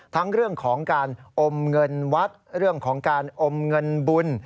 ทั้งเรื่องของการอมเงินวัดเรื่องของการอมเงินบุญ